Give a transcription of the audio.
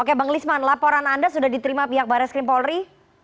oke bang lisman laporan anda sudah diterima pihak baris krim polri